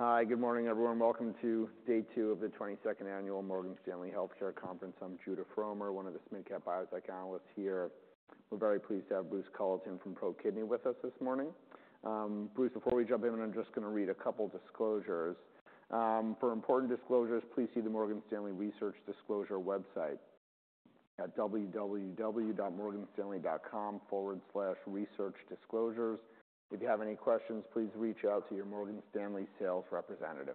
Hi, good morning everyone. Welcome to day two of the 22nd Annual Morgan Stanley Healthcare Conference. I'm Judah Frommer, one of the mid-cap biotech analysts here. We're very pleased to have Bruce Culleton from ProKidney with us this morning. Bruce, before we jump in, I'm just gonna read a couple disclosures. For important disclosures, please see the Morgan Stanley Research Disclosure website at www.morganstanley.com/researchdisclosures. If you have any questions, please reach out to your Morgan Stanley sales representative.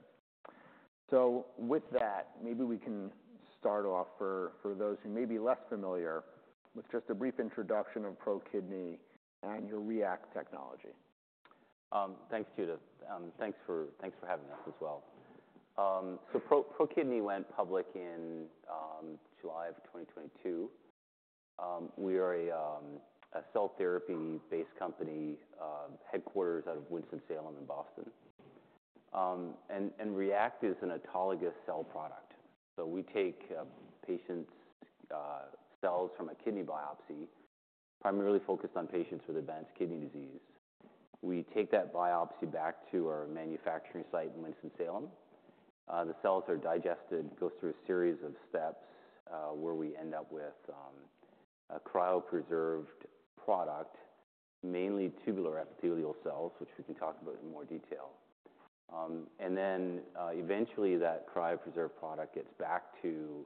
So with that, maybe we can start off for those who may be less familiar, with just a brief introduction of ProKidney and your REACT technology. Thanks, Judah. Thanks for having us as well. So ProKidney went public in July of 2022. We are a cell therapy-based company, headquarters out of Winston-Salem in Boston. And REACT is an autologous cell product. So we take patients' cells from a kidney biopsy, primarily focused on patients with advanced kidney disease. We take that biopsy back to our manufacturing site in Winston-Salem. The cells are digested, goes through a series of steps, where we end up with a cryopreserved product, mainly tubular epithelial cells, which we can talk about in more detail. And then eventually, that cryopreserved product gets back to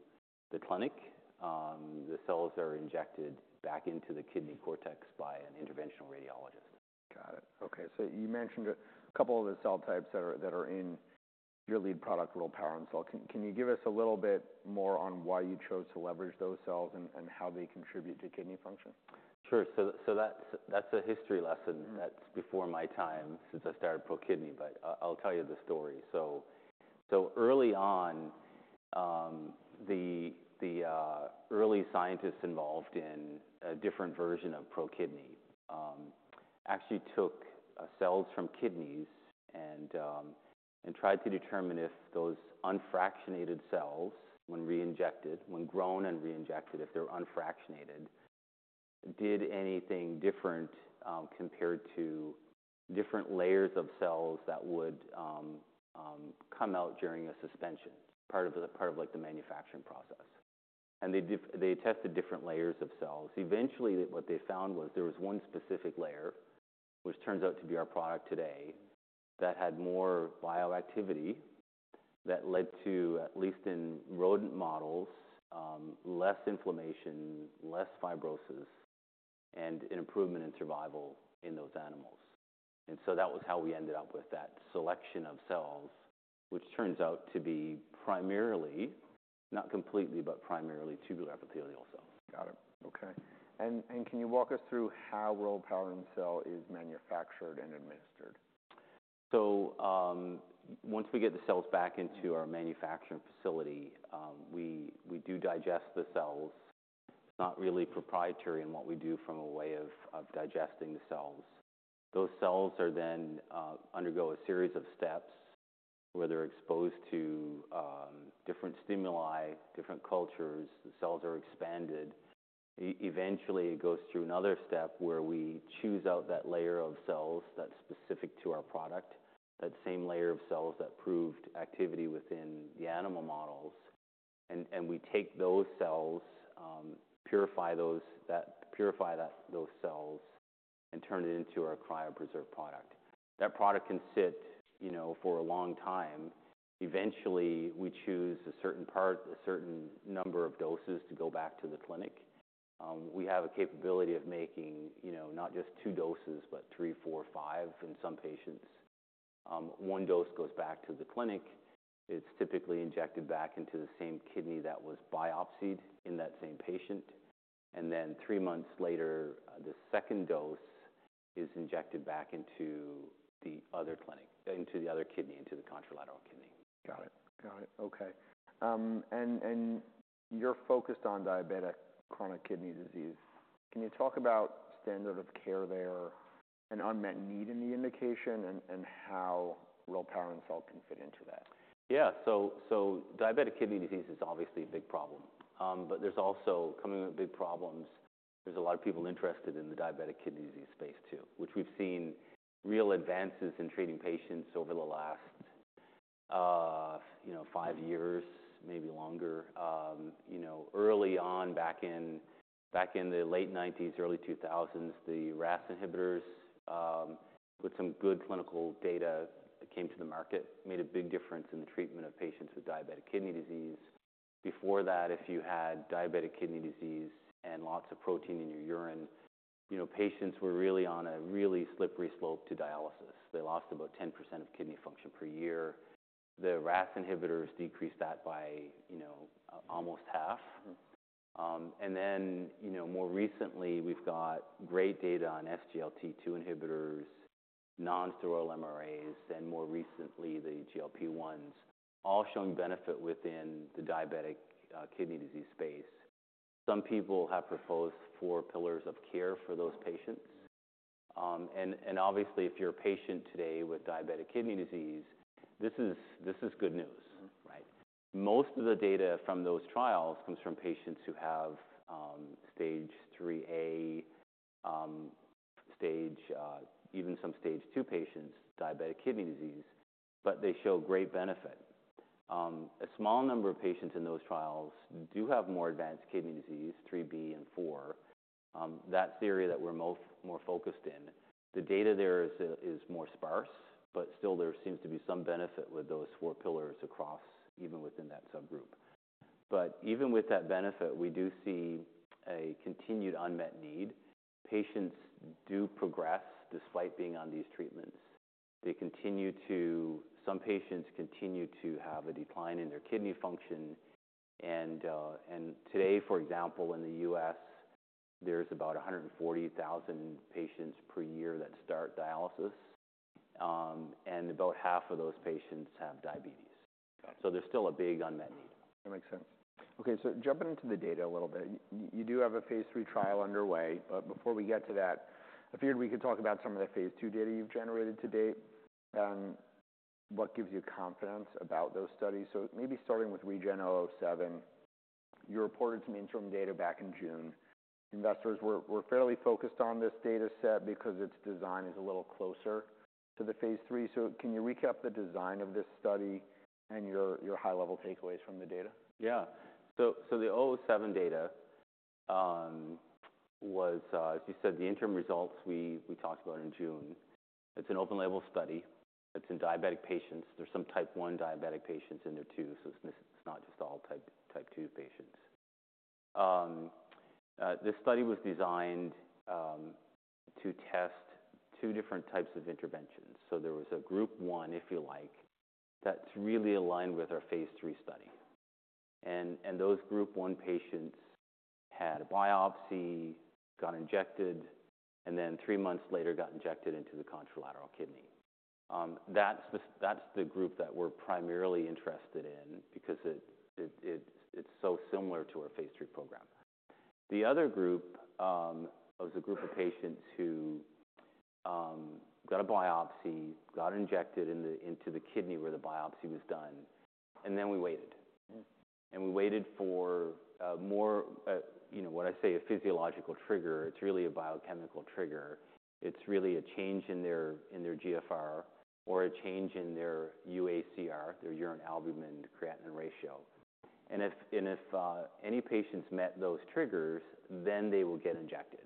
the clinic. The cells are injected back into the kidney cortex by an interventional radiologist. Got it. Okay, so you mentioned a couple of the cell types that are in your lead product, rilparencel. Can you give us a little bit more on why you chose to leverage those cells and how they contribute to kidney function? Sure. So that's a history lesson- Mm-hmm. -That's before my time, since I started ProKidney, but I, I'll tell you the story. So early on, the early scientists involved in a different version of ProKidney actually took cells from kidneys and tried to determine if those unfractionated cells, when reinjected, when grown and reinjected, if they were unfractionated, did anything different compared to different layers of cells that would come out during a suspension, part of the manufacturing process. And they tested different layers of cells. Eventually, what they found was there was one specific layer, which turns out to be our product today, that had more bioactivity, that led to, at least in rodent models, less inflammation, less fibrosis, and an improvement in survival in those animals. And so that was how we ended up with that selection of cells, which turns out to be primarily, not completely, but primarily tubular epithelial cells. Got it. Okay. And can you walk us through how rilparencel is manufactured and administered? Once we get the cells back into our manufacturing facility, we do digest the cells. It's not really proprietary in what we do from a way of digesting the cells. Those cells are then undergo a series of steps where they're exposed to different stimuli, different cultures. The cells are expanded. Eventually, it goes through another step where we choose out that layer of cells that's specific to our product, that same layer of cells that proved activity within the animal models, and we take those cells, purify those cells and turn it into our cryopreserved product. That product can sit, you know, for a long time. Eventually, we choose a certain part, a certain number of doses to go back to the clinic. We have a capability of making, you know, not just two doses, but three, four, five in some patients. One dose goes back to the clinic. It's typically injected back into the same kidney that was biopsied in that same patient, and then three months later, the second dose is injected back into the other kidney, into the other kidney, into the contralateral kidney. Got it. Okay. And you're focused on diabetic chronic kidney disease. Can you talk about standard of care there, and unmet need in the indication, and how rilparencel can fit into that? Yeah. So diabetic kidney disease is obviously a big problem. But there's also coming with big problems, there's a lot of people interested in the diabetic kidney disease space, too, which we've seen real advances in treating patients over the last, you know, five years, maybe longer. You know, early on, back in the late 1990s, early 2000s, the RAS inhibitors with some good clinical data that came to the market made a big difference in the treatment of patients with diabetic kidney disease. Before that, if you had diabetic kidney disease and lots of protein in your urine, you know, patients were really on a slippery slope to dialysis. They lost about 10% of kidney function per year. The RAS inhibitors decreased that by, you know, almost half. Mm-hmm. And then, you know, more recently, we've got great data on SGLT2 inhibitors, non-steroidal MRAs, and more recently, the GLP-1s, all showing benefit within the diabetic kidney disease space. Some people have proposed four pillars of care for those patients. And obviously, if you're a patient today with diabetic kidney disease, this is good news. Most of the data from those trials comes from patients who have stage 3a, even some stage 2 patients, diabetic kidney disease, but they show great benefit. A small number of patients in those trials do have more advanced kidney disease,3b and 4. That area that we're most focused in, the data there is more sparse, but still there seems to be some benefit with those four pillars across, even within that subgroup. But even with that benefit, we do see a continued unmet need. Patients do progress despite being on these treatments. Some patients continue to have a decline in their kidney function, and today, for example, in the U.S., there's about 140,000 patients per year that start dialysis, and about half of those patients have diabetes. So there's still a big unmet need. That makes sense. Okay, so jumping into the data a little bit, you do have a phase III trial underway, but before we get to that, I figured we could talk about some of the phase II data you've generated to date, and what gives you confidence about those studies. So maybe starting with REGEN-007, you reported some interim data back in June. Investors were fairly focused on this data set because its design is a little closer to the phase III. So can you recap the design of this study and your high-level takeaways from the data? Yeah. So the REGEN-007 data was, as you said, the interim results we talked about in June. It's an open-label study. It's in diabetic patients. There's some type one diabetic patients in there, too, so it's not just all type two patients. This study was designed to test two different types of interventions. So there was a group one, if you like, that's really aligned with our phase III study. And those group one patients had a biopsy, got injected, and then three months later, got injected into the contralateral kidney. That's the group that we're primarily interested in because it's so similar to our phase III program. The other group was a group of patients who got a biopsy, got injected into the kidney where the biopsy was done, and then we waited. Mm-hmm. And we waited for more, you know, what I say, a physiological trigger. It's really a biochemical trigger. It's really a change in their GFR or a change in their UACR, their urine albumin creatinine ratio. And if any patients met those triggers, then they will get injected.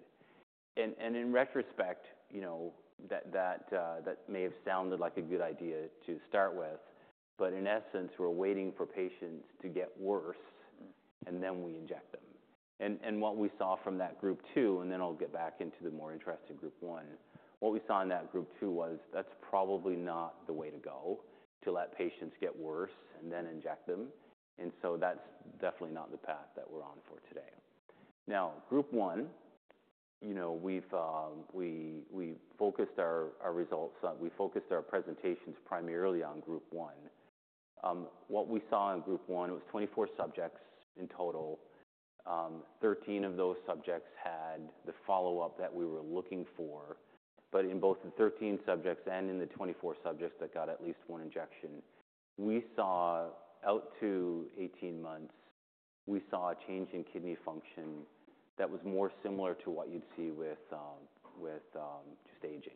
And in retrospect, you know, that may have sounded like a good idea to start with, but in essence, we're waiting for patients to get worse- Mm-hmm. And then we inject them. And what we saw from that group two, and then I'll get back into the more interesting group one. What we saw in that group two was that's probably not the way to go, to let patients get worse and then inject them. And so that's definitely not the path that we're on for today. Now, group one, you know, we've, we focused our, our results, we focused our presentations primarily on group one. What we saw in group one, it was 24 subjects in total. Thirteen of those subjects had the follow-up that we were looking for. In both the 13 subjects and in the 24 subjects that got at least one injection, we saw out to 18 months, we saw a change in kidney function that was more similar to what you'd see with just aging.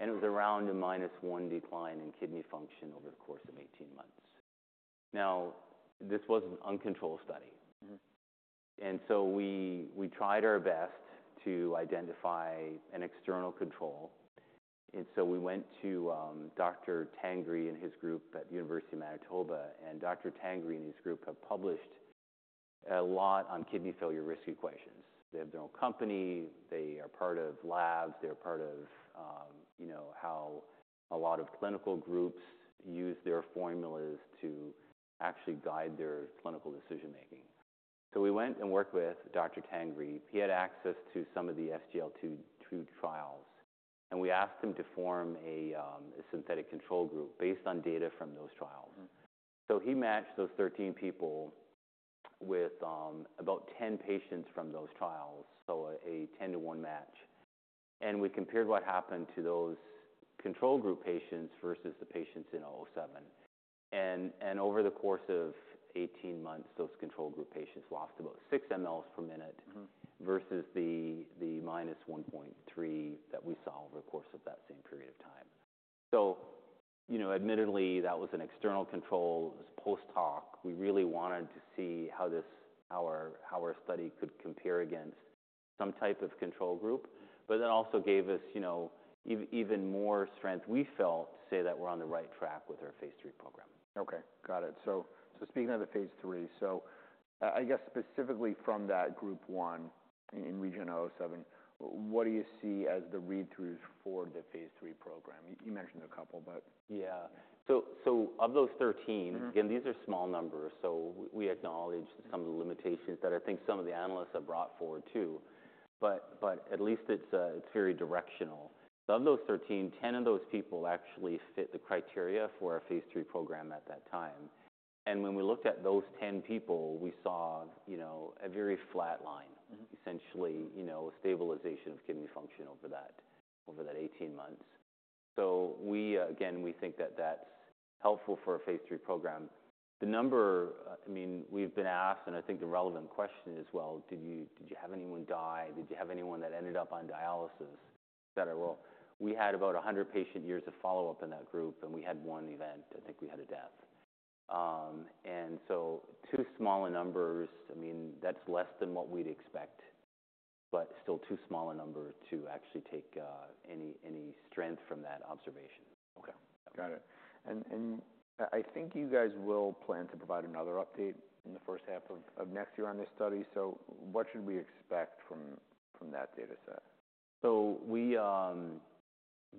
It was around a -1 decline in kidney function over the course of eighteen months. Now, this was an uncontrolled study. Mm-hmm. And so we tried our best to identify an external control. And so we went to Dr. Tangri and his group at the University of Manitoba, and Dr. Tangri and his group have published a lot on kidney failure risk equations. They have their own company, they are part of labs, they're part of, you know, how a lot of clinical groups use their formulas to actually guide their clinical decision-making. So we went and worked with Dr. Tangri. He had access to some of the SGLT2 trials, and we asked him to form a synthetic control group based on data from those trials. Mm-hmm. He matched those 13 people with about 10 patients from those trials, so a 10-to-1 match. We compared what happened to those control group patients versus the patients in 007. Over the course of 18 months, those control group patients lost about 6 mL per minute- Mm-hmm. versus the -1.3 that we saw over the course of that same period of time. So, you know, admittedly, that was an external control. It was post-hoc. We really wanted to see how this, how our study could compare against some type of control group, but then also gave us, you know, even more strength, we felt, to say that we're on the right track with our phase III program. Okay, got it. So, speaking of the phase III, I guess specifically from that group one in REGEN-007, what do you see as the read-throughs for the phase III program? You mentioned a couple, but- Yeah. So, of those thirteen- Mm-hmm. Again, these are small numbers, so we acknowledge some of the limitations that I think some of the analysts have brought forward, too. But at least it's very directional. So of those 13, 10 of those people actually fit the criteria for our phase III program at that time. And when we looked at those 10 people, we saw, you know, a very flat line. Mm-hmm. Essentially, you know, stabilization of kidney function over that 18 months. We again think that that's helpful for a phase III program. The number, I mean, we've been asked, and I think the relevant question is, well, did you have anyone die? Did you have anyone that ended up on dialysis, et cetera? We had about 100 patient years of follow-up in that group, and we had one event. I think we had a death, and so two smaller numbers, I mean, that's less than what we'd expect, but still two smaller numbers to actually take any strength from that observation. Okay, got it. And I think you guys will plan to provide another update in the first half of next year on this study. So what should we expect from that data set?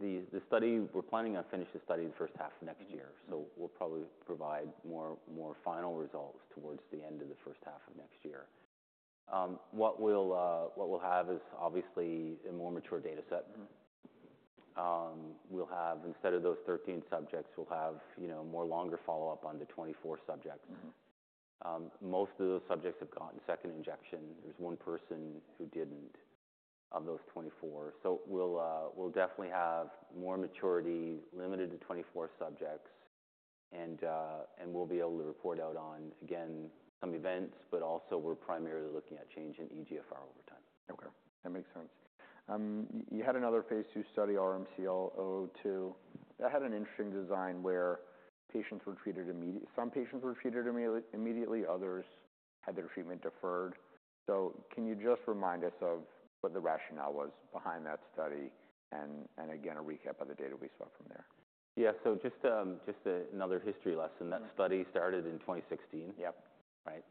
We're planning on finishing the study in the first half of next year, so we'll probably provide more final results towards the end of the first half of next year. What we'll have is obviously a more mature data set. Mm-hmm. We'll have, instead of those 13 subjects, we'll have, you know, more longer follow-up on the 24 subjects. Mm-hmm. Most of those subjects have gotten second injection. There's one person who didn't, of those 24. So we'll definitely have more maturity, limited to 24 subjects, and we'll be able to report out on, again, some events, but also we're primarily looking at change in eGFR over time. Okay, that makes sense. You had another phase II study, RMCL-002, that had an interesting design where some patients were treated immediately, others had their treatment deferred. So can you just remind us of what the rationale was behind that study and, and again, a recap of the data we saw from there? Yeah. So just, just a another history lesson. Mm-hmm. That study started in 2016. Yep. Right.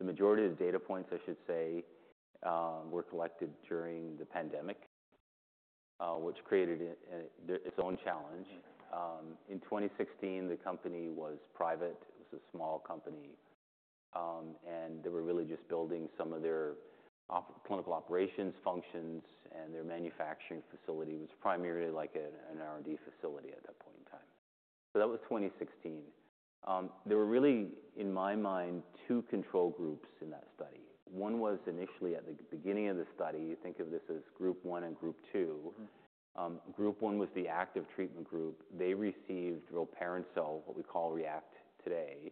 The majority of the data points, I should say, were collected during the pandemic, which created its own challenge. Mm-hmm. In 2016, the company was private. It was a small company, and they were really just building some of their clinical operations functions, and their manufacturing facility was primarily like a, an R&D facility at that point in time. So that was 2016. There were really, in my mind, two control groups in that study. One was initially at the beginning of the study, you think of this as Group One and Group Two. Mm-hmm. Group One was the active treatment group. They received rilparencel, what we call REACT today.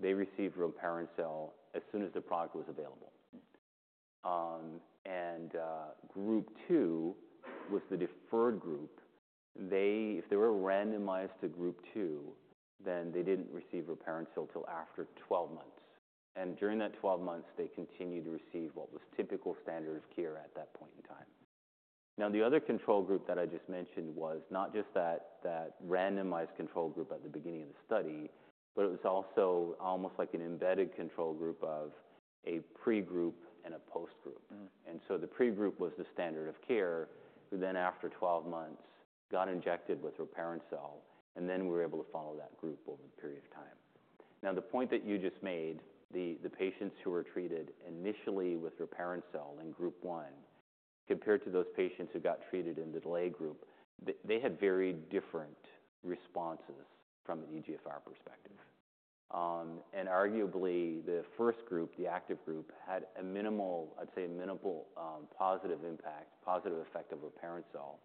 They received rilparencel as soon as the product was available. Mm-hmm. Group Two was the deferred group. They, if they were randomized to Group Two, then they didn't receive rilparencel till after twelve months, and during that twelve months, they continued to receive what was typical standard of care at that point in time. Now, the other control group that I just mentioned was not just that randomized control group at the beginning of the study, but it was also almost like an embedded control group of a pre-group and a post group. Mm-hmm. And so the pre-group was the standard of care, who then, after 12 months, got injected with rilparencel, and then we were able to follow that group over the period of time. Now, the point that you just made, the patients who were treated initially with rilparencel in Group One, compared to those patients who got treated in the delay group, they had very different responses from an eGFR perspective. And arguably, the first group, the active group, had a minimal, I'd say, a minimal, positive impact, positive effect of rilparencel.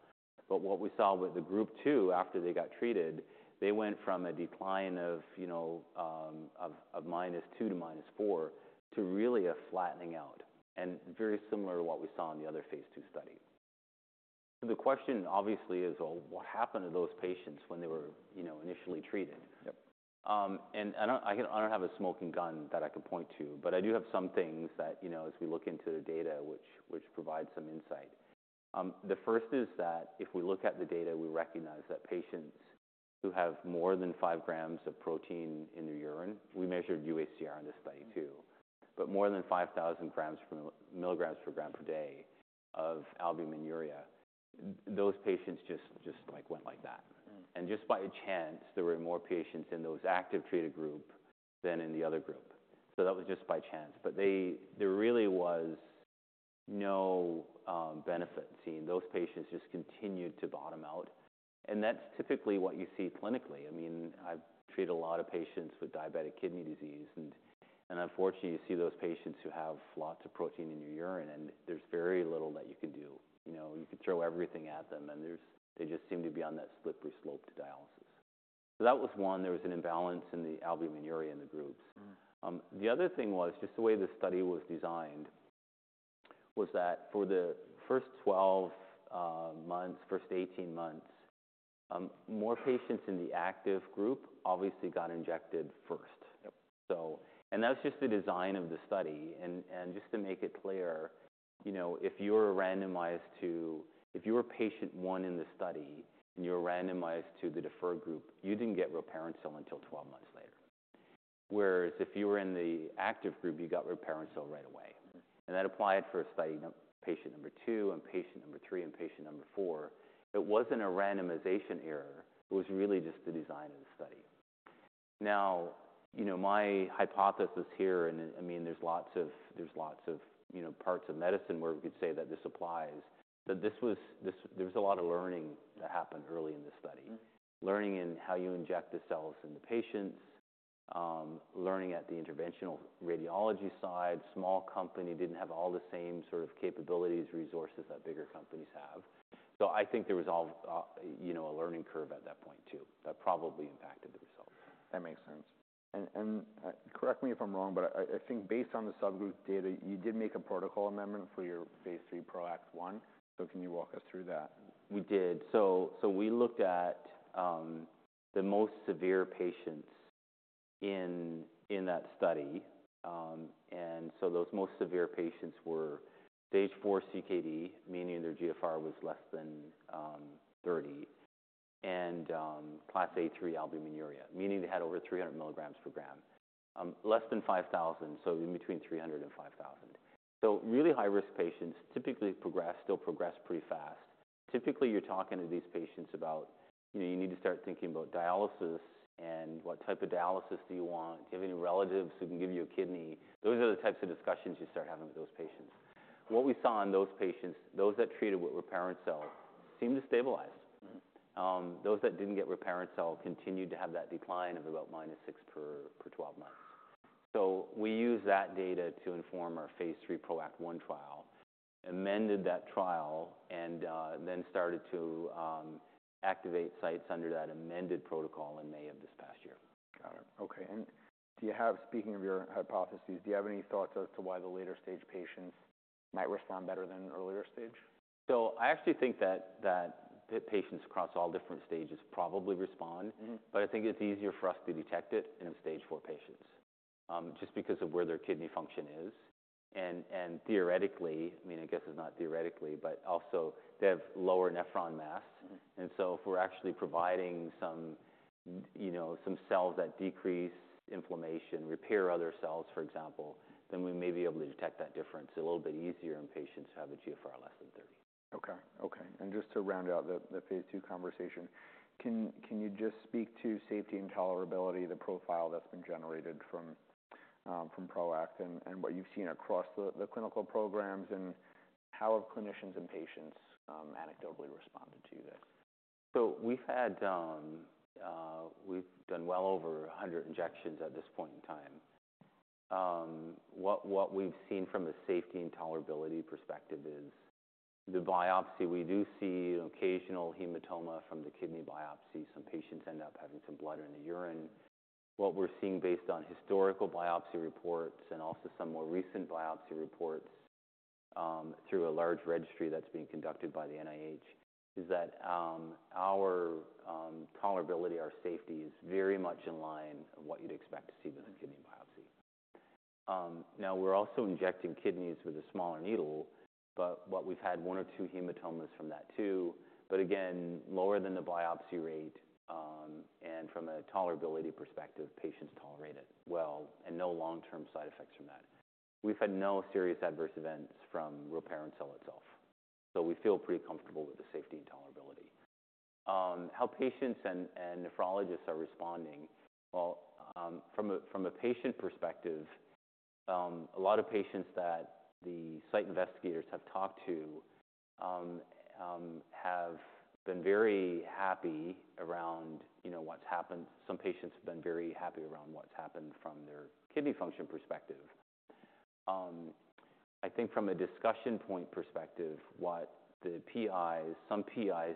But what we saw with the Group Two, after they got treated, they went from a decline of, you know, of -2 to -4, to really a flattening out, and very similar to what we saw in the other phase II study. So the question obviously is, well, what happened to those patients when they were, you know, initially treated? Yep. And I don't have a smoking gun that I could point to, but I do have some things that, you know, as we look into the data, which provides some insight. The first is that if we look at the data, we recognize that patients who have more than five grams of protein in their urine, we measured UACR in this study, too But more than five thousand milligrams per gram per day of albuminuria, those patients just like went like that. Mm-hmm. And just by chance, there were more patients in those active treated group than in the other group. So that was just by chance. But there really was no benefit seen. Those patients just continued to bottom out, and that's typically what you see clinically. I mean, I've treated a lot of patients with diabetic kidney disease, and unfortunately, you see those patients who have lots of protein in your urine, and there's very little that you can do. You know, you can throw everything at them, and they just seem to be on that slippery slope to dialysis. So that was one, there was an imbalance in the albuminuria in the groups. Mm-hmm. The other thing was, just the way the study was designed, was that for the first twelve months, first eighteen months, more patients in the active group obviously got injected first. Yep. That's just the design of the study. Just to make it clear, you know, if you were patient one in the study, and you were randomized to the deferred group, you didn't get rilparencel until twelve months later. Whereas if you were in the active group, you got rilparencel right away. Mm-hmm. That applied for study, patient number two, and patient number three, and patient number four. It wasn't a randomization error. It was really just the design of the study. Now, you know, my hypothesis here, and, I mean, there's lots of, you know, parts of medicine where we could say that this applies, but this was. There was a lot of learning that happened early in this study. Mm-hmm. Learning in how you inject the cells in the patients... learning at the interventional radiology side, small company, didn't have all the same sort of capabilities, resources that bigger companies have. So I think there was all, you know, a learning curve at that point, too, that probably impacted the results. That makes sense. And correct me if I'm wrong, but I think based on the subgroup data, you did make a protocol amendment for your phase 3 PROACT 1. So can you walk us through that? We did. So we looked at the most severe patients in that study, and so those most severe patients were stage 4 CKD, meaning their GFR was less than thirty, and Class A3 albuminuria, meaning they had over three hundred milligrams per gram. Less than five thousand, so in between three hundred and five thousand. So really high-risk patients typically progress, still progress pretty fast. Typically, you're talking to these patients about, "You know, you need to start thinking about dialysis, and what type of dialysis do you want? Do you have any relatives who can give you a kidney?" Those are the types of discussions you start having with those patients. What we saw in those patients, those that treated with rilparencel, seemed to stabilize. Mm-hmm. Those that didn't get rilparencel continued to have that decline of about -6 per twelve months. So we used that data to inform our phase III PROACT 1 trial, amended that trial, and then started to activate sites under that amended protocol in May of this past year. Got it. Okay, speaking of your hypotheses, do you have any thoughts as to why the later stage patients might respond better than earlier stage? So I actually think that the patients across all different stages probably respond- Mm-hmm. But I think it's easier for us to detect it in stage 4 patients, just because of where their kidney function is. And theoretically, I mean, I guess it's not theoretically, but also they have lower nephron mass. Mm-hmm. And so if we're actually providing some, you know, some cells that decrease inflammation, repair other cells, for example, then we may be able to detect that difference a little bit easier in patients who have an eGFR less than 30. Okay. Okay, and just to round out the phase II conversation, can you just speak to safety and tolerability, the profile that's been generated from PROACT and what you've seen across the clinical programs, and how have clinicians and patients anecdotally responded to this? So we've had, we've done well over a hundred injections at this point in time. What we've seen from a safety and tolerability perspective is the biopsy. We do see occasional hematoma from the kidney biopsy. Some patients end up having some blood in the urine. What we're seeing based on historical biopsy reports and also some more recent biopsy reports, through a large registry that's being conducted by the NIH, is that, our tolerability, our safety is very much in line with what you'd expect to see with a kidney biopsy. Now we're also injecting kidneys with a smaller needle, but what we've had one or two hematomas from that, too, but again, lower than the biopsy rate. And from a tolerability perspective, patients tolerate it well and no long-term side effects from that. We've had no serious adverse events from repair cell itself, so we feel pretty comfortable with the safety and tolerability. How patients and nephrologists are responding, well, from a patient perspective, a lot of patients that the site investigators have talked to have been very happy around, you know, what's happened. Some patients have been very happy around what's happened from their kidney function perspective. I think from a discussion point perspective, what some PIs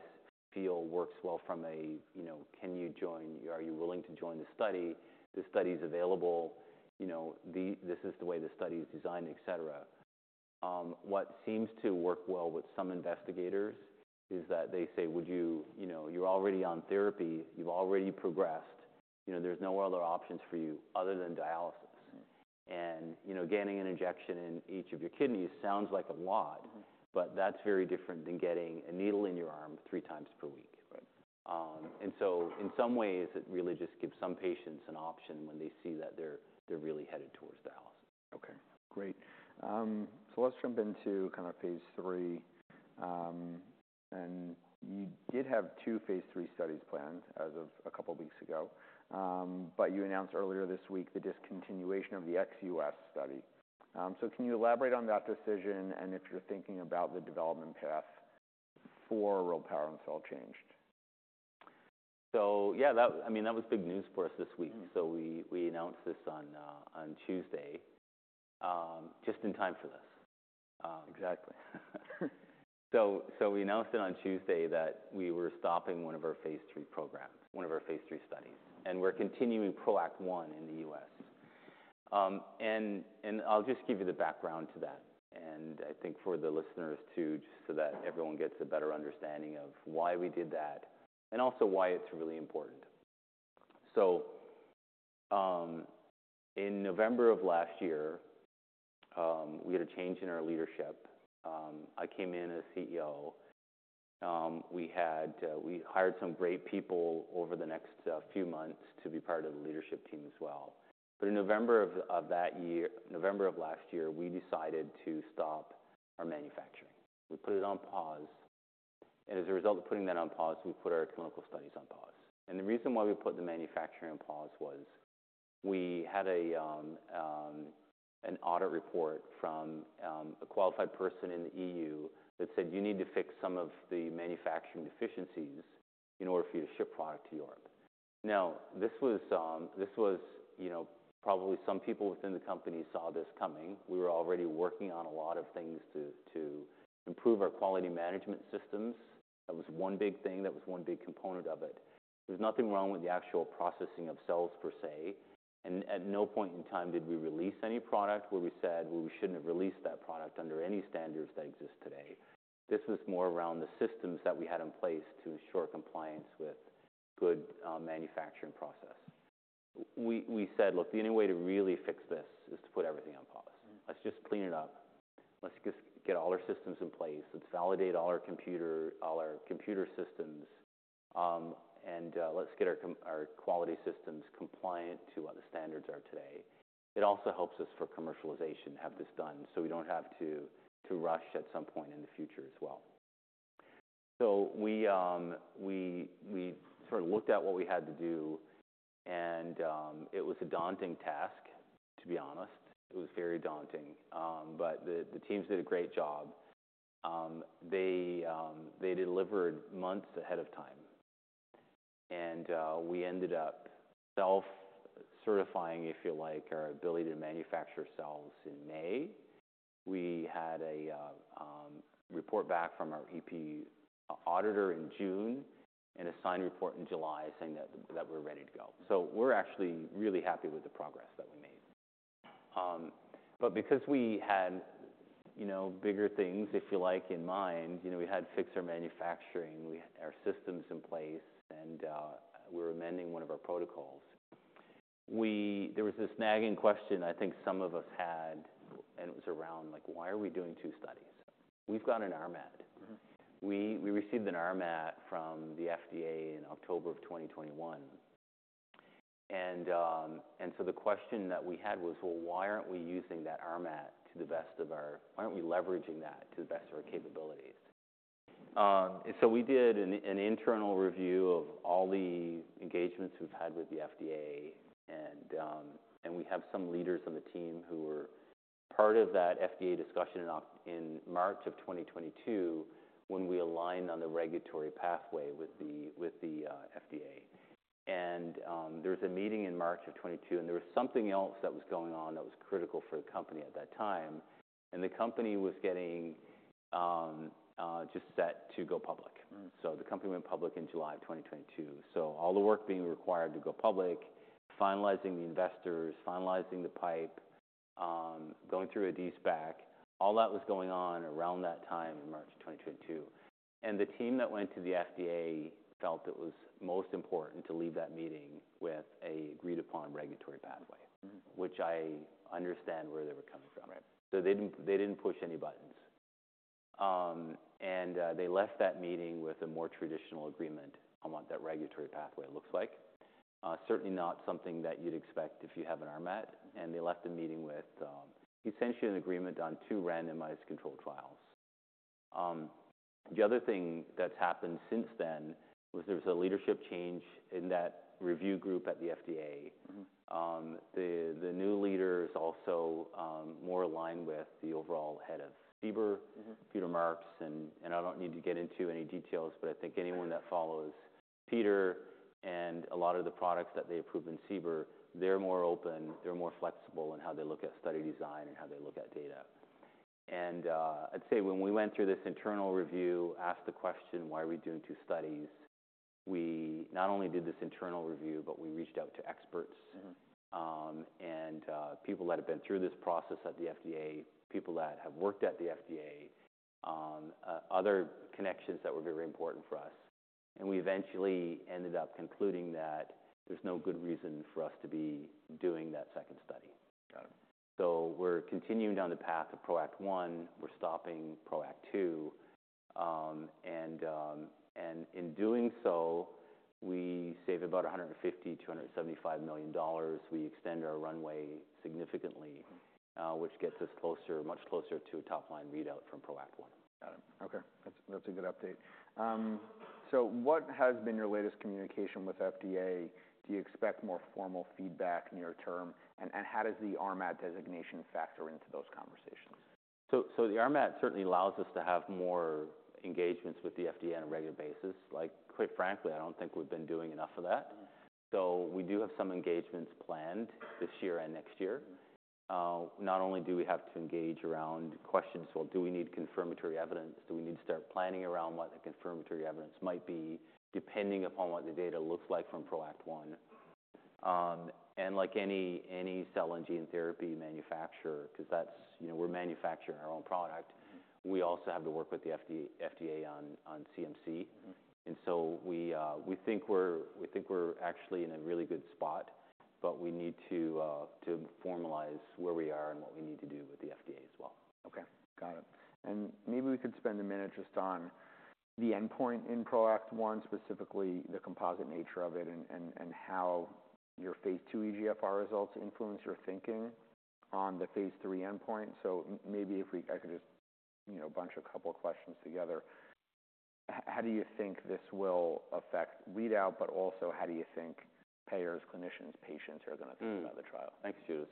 feel works well from a, you know, "Can you join? Are you willing to join the study? The study is available," you know, "This is the way the study is designed," et cetera. What seems to work well with some investigators is that they say, "Would you..." You know, "You're already on therapy, you've already progressed, you know, there's no other options for you other than dialysis. And, you know, getting an injection in each of your kidneys sounds like a lot, but that's very different than getting a needle in your arm three times per week. Right. And so in some ways, it really just gives some patients an option when they see that they're really headed towards dialysis. Okay, great, so let's jump into kind of phase III, and you did have two phase III studies planned as of a couple of weeks ago, but you announced earlier this week the discontinuation of the ex-U.S. study, so can you elaborate on that decision, and if you're thinking about the development path for rilparencel changed? So yeah, I mean, that was big news for us this week. Mm-hmm. So we announced this on Tuesday, just in time for this. Uh, exactly. We announced it on Tuesday that we were stopping one of our phase III programs, one of our phase III studies, and we're continuing PROACT 1 in the U.S., and I'll just give you the background to that, and I think for the listeners, too, just so that everyone gets a better understanding of why we did that and also why it's really important. In November of last year, we had a change in our leadership. I came in as CEO. We hired some great people over the next few months to be part of the leadership team as well. But in November of last year, we decided to stop our manufacturing. We put it on pause, and as a result of putting that on pause, we put our clinical studies on pause, and the reason why we put the manufacturing on pause was we had an audit report from a qualified person in the EU that said, "You need to fix some of the manufacturing deficiencies in order for you to ship product to Europe." Now, this was, you know, probably some people within the company saw this coming. We were already working on a lot of things to improve our quality management systems. That was one big thing. That was one big component of it. There's nothing wrong with the actual processing of cells per se, and at no point in time did we release any product where we said, "Well, we shouldn't have released that product," under any standards that exist today. This was more around the systems that we had in place to ensure compliance with good manufacturing process. We said, "Look, the only way to really fix this is to put everything on pause. Let's just clean it up. Let's just get all our systems in place. Let's validate all our computer systems, and let's get our quality systems compliant to what the standards are today." It also helps us for commercialization to have this done, so we don't have to rush at some point in the future as well. So we sort of looked at what we had to do, and it was a daunting task, to be honest. It was very daunting. But the teams did a great job. They delivered months ahead of time, and we ended up self-certifying, if you like, our ability to manufacture cells in May. We had a report back from our EU auditor in June, and a signed report in July saying that we're ready to go. So we're actually really happy with the progress that we made. But because we had, you know, bigger things, if you like, in mind, you know, we had to fix our manufacturing, we had our systems in place, and we were amending one of our protocols. We...There was this nagging question I think some of us had, and it was around like, why are we doing two studies? We've got an RMAT. Mm-hmm. We received an RMAT from the FDA in October 2121, and so the question that we had was, well, why aren't we using that RMAT to the best of our... Why aren't we leveraging that to the best of our capabilities? So we did an internal review of all the engagements we've had with the FDA, and we have some leaders on the team who were part of that FDA discussion in March 2022, when we aligned on the regulatory pathway with the FDA, and there was a meeting in March 2022, and there was something else that was going on that was critical for the company at that time, and the company was getting just set to go public. Mm. The company went public in July of 2022. All the work being required to go public, finalizing the investors, finalizing the pipe, going through a de-SPAC, all that was going on around that time in March of 2022. The team that went to the FDA felt it was most important to leave that meeting with a agreed-upon regulatory pathway- Mm-hmm. which I understand where they were coming from. Right. They didn't push any buttons. They left that meeting with a more traditional agreement on what that regulatory pathway looks like. Certainly not something that you'd expect if you have an RMAT, and they left the meeting with essentially an agreement on two randomized controlled trials. The other thing that's happened since then was there was a leadership change in that review group at the FDA. Mm-hmm. The new leader is also more aligned with the overall head of CBER. Mm-hmm Peter Marks. And I don't need to get into any details, but I think anyone that follows Peter and a lot of the products that they approve in CBER, they're more open, they're more flexible in how they look at study design and how they look at data. And I'd say when we went through this internal review, asked the question, "Why are we doing two studies?" We not only did this internal review, but we reached out to experts- Mm-hmm and people that have been through this process at the FDA, people that have worked at the FDA, other connections that were very important for us, and we eventually ended up concluding that there's no good reason for us to be doing that second study. Got it. So we're continuing down the path of PROACT 1. We're stopping PROACT 2. In doing so, we save about $150 million-$275 million. We extend our runway significantly- Mm-hmm... which gets us closer, much closer to a top-line readout from PROACT 1. Got it. Okay, that's, that's a good update. So what has been your latest communication with FDA? Do you expect more formal feedback near term? And how does the RMAT designation factor into those conversations? So, the RMAT certainly allows us to have more engagements with the FDA on a regular basis. Like, quite frankly, I don't think we've been doing enough of that. Mm-hmm. So we do have some engagements planned this year and next year. Not only do we have to engage around questions, "Well, do we need confirmatory evidence? Do we need to start planning around what the confirmatory evidence might be, depending upon what the data looks like from PROACT 1?" And like any cell and gene therapy manufacturer, 'cause that's... You know, we're manufacturing our own product- Mm-hmm we also have to work with the FDA on CMC. Mm-hmm. We think we're actually in a really good spot, but we need to formalize where we are and what we need to do with the FDA as well. Okay, got it. And maybe we could spend a minute just on the endpoint in PROACT 1, specifically the composite nature of it and how your phase II eGFR results influence your thinking on the phase III endpoint. So maybe I could just, you know, bunch a couple of questions together. How do you think this will affect readout? But also, how do you think payers, clinicians, patients are going to think about the trial? Thanks, Judah.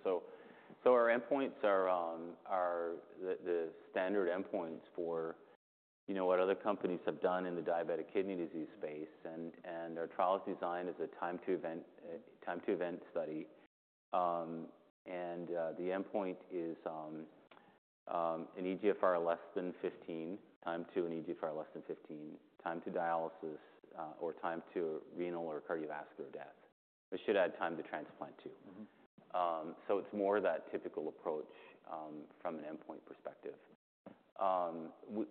Our endpoints are the standard endpoints for, you know, what other companies have done in the diabetic kidney disease space. Our trial is designed as a time to event study. The endpoint is an eGFR less than 15, time to an eGFR less than 15, time to dialysis, or time to renal or cardiovascular death. We should add time to transplant, too. Mm-hmm. So it's more that typical approach from an endpoint perspective.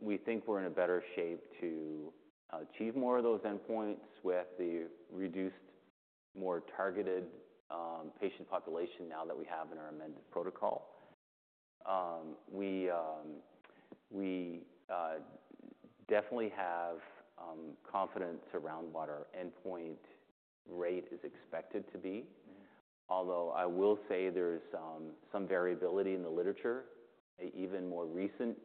We think we're in a better shape to achieve more of those endpoints with the reduced, more targeted patient population now that we have in our amended protocol. We definitely have confidence around what our endpoint rate is expected to be. Mm-hmm. Although, I will say there's some variability in the literature. Even more recent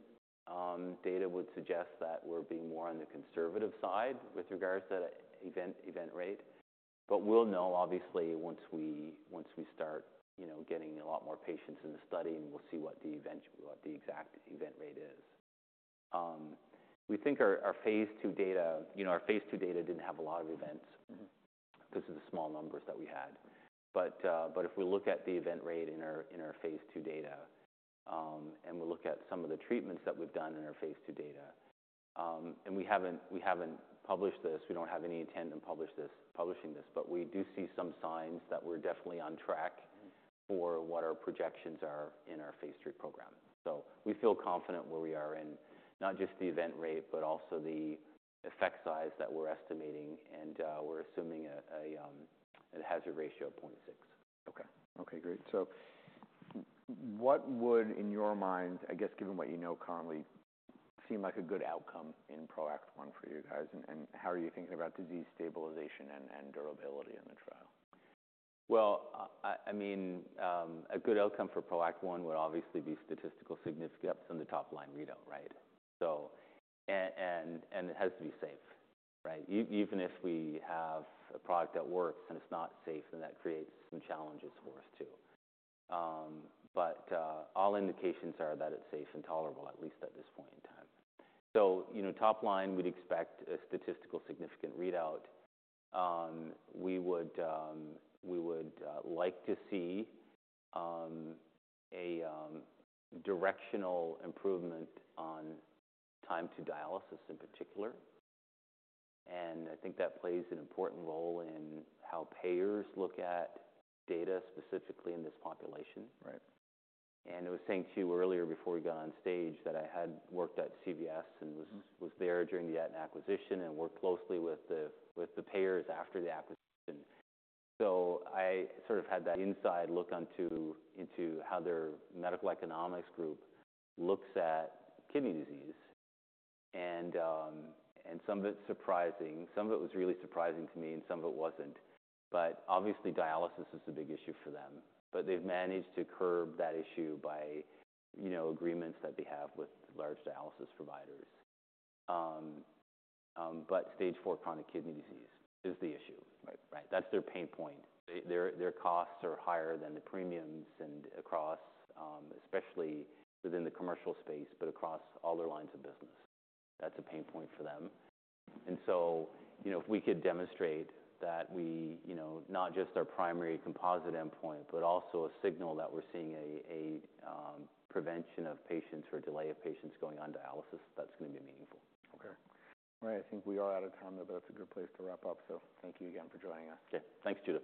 data would suggest that we're being more on the conservative side with regards to event rate. But we'll know, obviously, once we start, you know, getting a lot more patients in the study, and we'll see what the exact event rate is. We think our phase II data... You know, our phase II data didn't have a lot of events- Mm-hmm. Because of the small numbers that we had. But if we look at the event rate in our phase II data, and we look at some of the treatments that we've done in our phase II data. We haven't published this. We don't have any intent to publish this, but we do see some signs that we're definitely on track. Mm-hmm... for what our projections are in our phase III program. So we feel confident where we are in not just the event rate, but also the effect size that we're estimating, and we're assuming a hazard ratio of .6. Okay. Okay, great. So what would, in your mind, I guess, given what you know currently, seem like a good outcome in PROACT 1 for you guys? And how are you thinking about disease stabilization and durability in the trial? A good outcome for PROACT 1 would obviously be statistical significance in the top-line readout, right? So, and it has to be safe, right? Even if we have a product that works and it's not safe, then that creates some challenges for us, too. But all indications are that it's safe and tolerable, at least at this point in time. So, you know, top line, we'd expect a statistically significant readout. We would like to see a directional improvement on time to dialysis in particular. I think that plays an important role in how payers look at data, specifically in this population. Right. I was saying to you earlier before we got on stage, that I had worked at CVS- Mm-hmm... and was there during the Aetna acquisition and worked closely with the payers after the acquisition. So I sort of had that inside look into how their medical economics group looks at kidney disease, and some of it's surprising. Some of it was really surprising to me, and some of it wasn't. But obviously, dialysis is a big issue for them, but they've managed to curb that issue by, you know, agreements that they have with large dialysis providers. But stage 4 chronic kidney disease is the issue. Right. Right. That's their pain point. They, their costs are higher than the premiums and across, especially within the commercial space, but across all their lines of business. That's a pain point for them. And so, you know, if we could demonstrate that we, you know, not just our primary composite endpoint, but also a signal that we're seeing a prevention of patients or delay of patients going on dialysis, that's going to be meaningful. Okay. Well, I think we are out of time, but that's a good place to wrap up, so thank you again for joining us. Okay. Thanks, Judah.